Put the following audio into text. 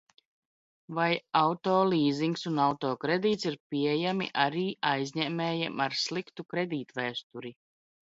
Vai auto līzings un auto kredīts ir pieejami arī aizņēmējiem ar sliktu kredītvēsturi?